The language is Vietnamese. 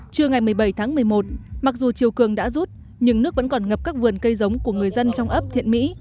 trưa ngày một mươi bảy tháng một mươi một mặc dù chiều cường đã rút nhưng nước vẫn còn ngập các vườn cây giống của người dân trong ấp thiện mỹ